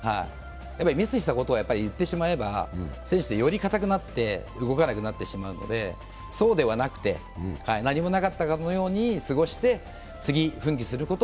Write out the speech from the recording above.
ミスしたことを言ってしまえば選手ってより固くなって動かなくなってしまうので、そうではなくてサッカーまいります。